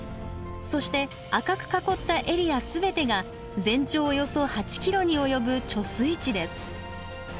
そして赤く囲ったエリア全てが全長およそ８キロに及ぶ貯水池です。